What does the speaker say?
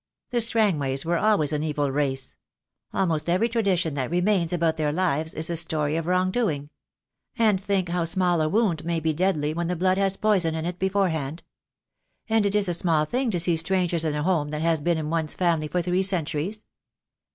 The Strangways were always an evil race. Almost every tradition that remains about their lives is a story of wrong doing. And think how small a wound may be deadly when the blood has poison in it beforehand. And is it a small thing to see strangers in a home that has been in one's family for three centuries?